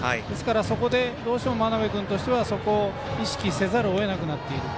そこでどうしても真鍋君としてはそこを意識せざるをえなくなっている。